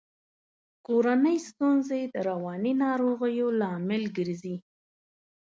کورنۍ ستونزي د رواني ناروغیو لامل ګرزي.